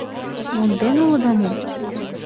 Монден улыда мо?